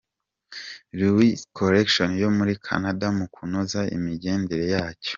Louise’s collections yo muri Canada mu kunoza imigendekere yacyo.